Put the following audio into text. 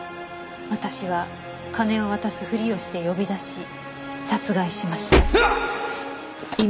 「私は金を渡すふりをして呼び出し殺害しました」